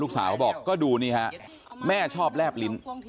ลูกสาวเขาบอกก็ดูนี่ครับแม่ชอบแร่บลิ้น